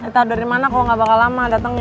eh tau dari mana kok gak bakal lama datengnya